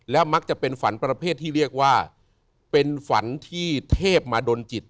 และมักจะเป็นฝันประเภทที่เรียกว่าเป็นฝันที่เทพมาดนจิต